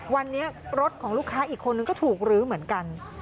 วันนี้รถของลูกค้าอีกคนนึงก็ถูกลื้อเหมือนกัน